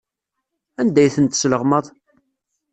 Anda ay tent-tesleɣmaḍ?